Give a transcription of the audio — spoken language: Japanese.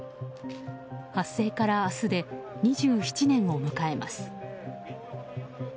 発生から明日で２７年を迎えます。